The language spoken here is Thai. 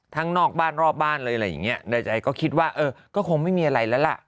นอกบ้านรอบบ้านเลยอะไรอย่างเงี้ยในใจก็คิดว่าเออก็คงไม่มีอะไรแล้วล่ะ